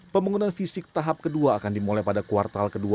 pembangunan fisik tahap kedua akan dimulai pada kuartal kedua dua ribu tujuh belas